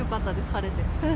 晴れて。